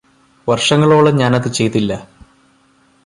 വര്ഷങ്ങളോളം ഞാന് അതു ചെയ്തില്ല